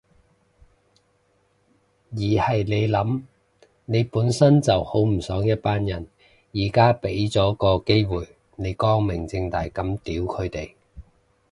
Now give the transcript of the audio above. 而係你諗，你本身就好唔爽一班人，而家畀咗個機會你光明正大噉屌佢哋